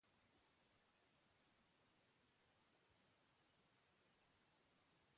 Azkenean, botoen gehiengo bakuna hitzartu zen.